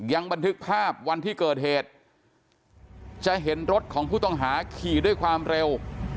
บันทึกภาพวันที่เกิดเหตุจะเห็นรถของผู้ต้องหาขี่ด้วยความเร็ว